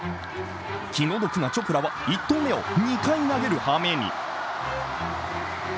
気の毒なチョプラは１投目を２回投げるはめに。